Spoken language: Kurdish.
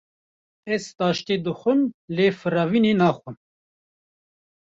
Ez taştê dixwim lê firavînê naxwim.